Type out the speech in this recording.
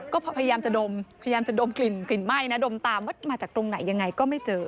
ก็พยายามจะดมกลิ่นไหม้ดมตามมาจากตรงไหนยังไงก็ไม่เจอ